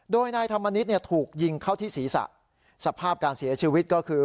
โดยนายธรรมนิษฐ์เนี่ยถูกยิงเข้าที่ศีรษะสภาพการเสียชีวิตก็คือ